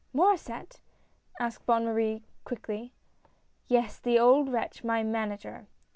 " Maur^sset ?" asked Bonne Marie, quickly. " Yes, the old wretch, my Manager